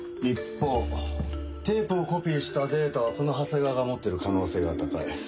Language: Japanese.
一方テープをコピーしたデータはこの長谷川が持ってる可能性が高い。